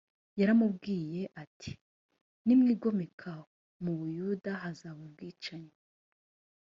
yaramuburiye ati niwigomeka mu buyuda hazaba ubwicanyi